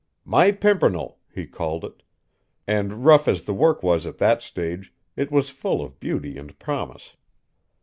"My Pimpernel," he called it, and rough as the work was at that stage, it was full of beauty and promise.